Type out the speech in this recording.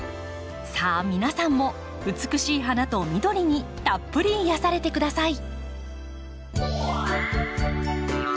さあ皆さんも美しい花と緑にたっぷり癒やされてください。